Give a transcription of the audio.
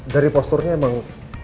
dari posturnya emang